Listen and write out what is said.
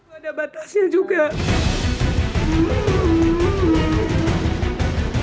ada batasnya juga